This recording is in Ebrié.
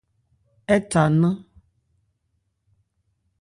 Ɛ tha nnán.